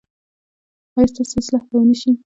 ایا ستاسو اصلاح به و نه شي؟